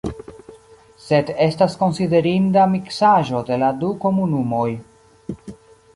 Sed estas konsiderinda miksaĵo de la du komunumoj.